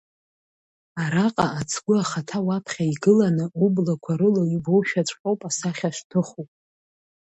Араҟа ацгәы ахаҭа уаԥхьа игыланы ублақәа рыла иубошәаҵәҟьоуп асахьа шҭыху.